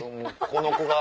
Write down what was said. この子が？